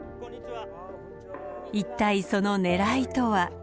一体そのねらいとは？